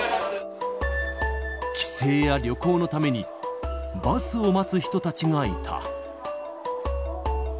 帰省や旅行のために、バスを待つ人たちがいた。